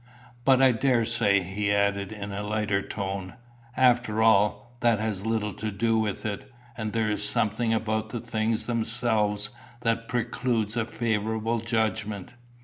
But I daresay," he added, in a lighter tone, "after all, that has little to do with it, and there is something about the things themselves that precludes a favourable judgment.